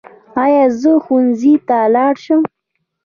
ایا زه ښوونځي ته لاړ شم؟